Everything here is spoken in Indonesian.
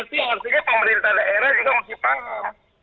itu yang artinya pemerintah daerah juga mesti paham